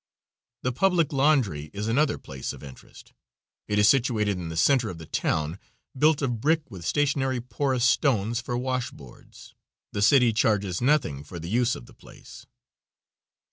The public laundry is another place of interest. It is situated in the center of the town, built of brick, with stationary porous stones for washboards. The city charges nothing for the use of the place.